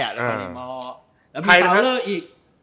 และมีตาวเลอร์อีก